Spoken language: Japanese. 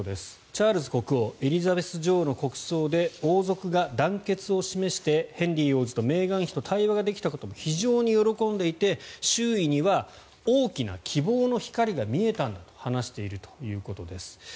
チャールズ国王エリザベス女王の国葬で王族が団結を示してヘンリー王子とメーガン妃と対話ができたことも非常に喜んでいて周囲には大きな希望の光が見えたんだと話しているということです。